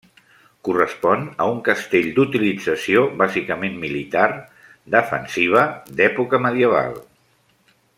Correspon a un castell d'utilització bàsicament militar, defensiva, d'època medieval.